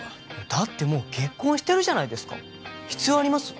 だってもう結婚してるじゃないですか必要あります？